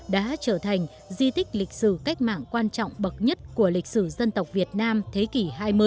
đã trở thành di tích lịch sử cách mạng quan trọng bậc nhất của lịch sử dân tộc việt nam thế kỷ hai mươi